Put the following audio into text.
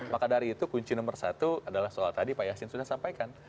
maka dari itu kunci nomor satu adalah soal tadi pak yasin sudah sampaikan